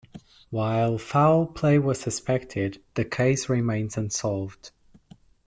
While foul play was suspected, the case remains unsolved.